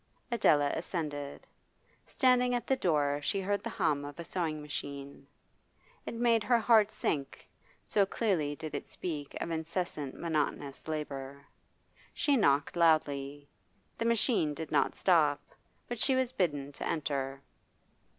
Adela ascended. Standing at the door she heard the hum of a sewing machine. It made her heart sink, so clearly did it speak of incessant monotonous labour. She knocked loudly. The machine did not stop, but she was bidden to enter.